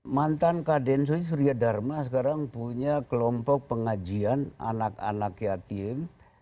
mantan kadensus surya dharma sekarang punya kelompok pengajian anak anak yatim